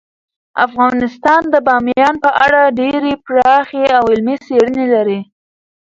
افغانستان د بامیان په اړه ډیرې پراخې او علمي څېړنې لري.